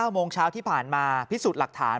โมงเช้าที่ผ่านมาพิสูจน์หลักฐาน